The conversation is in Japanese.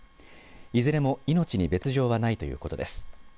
いずれも命に別状はないということです